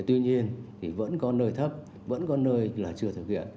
tuy nhiên thì vẫn có nơi thấp vẫn có nơi là chưa thực hiện